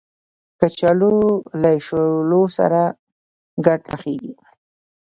کچالو له شولو سره ګډ پخېږي